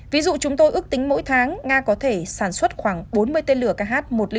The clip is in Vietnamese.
ví dụ chúng tôi ước tính mỗi tháng nga có thể sản xuất khoảng bốn mươi tên lửa kh một trăm linh